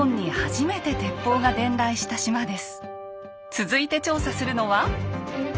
続いて調査するのは。